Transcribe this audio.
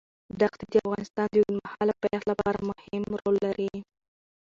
دښتې د افغانستان د اوږدمهاله پایښت لپاره مهم رول لري.